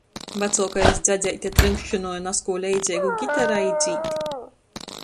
Vacuokais dzjadzeite trynkšynoj nazkū leidzeigu gitarai i dzīd.